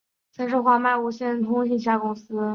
曾是华脉无线通信旗下公司。